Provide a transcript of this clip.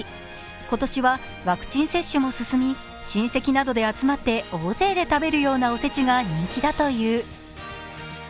今年はワクチン接種も進み、親戚などで集まって大勢で食べるようなおせちが人気だという。